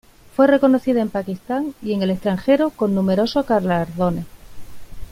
Fue reconocida en Pakistán y en el extranjero con numerosos galardones.